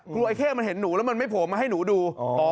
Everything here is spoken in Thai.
ไอ้เข้มันเห็นหนูแล้วมันไม่โผล่มาให้หนูดู